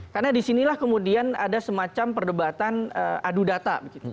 karena disinilah kemudian ada semacam perdebatan adu data